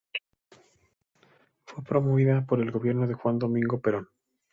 Fue promovida por el gobierno de Juan Domingo Perón.